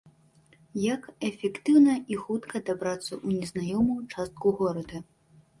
Як эфектыўна і хутка дабрацца ў незнаёмую частку горада?